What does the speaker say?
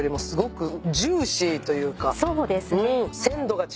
そうですね。